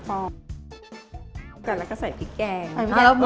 แล้วก็ใส่พริกแกง